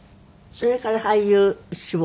それから俳優志望？